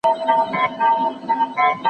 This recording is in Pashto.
د ټولني بدلون يو طبيعي قانون دی.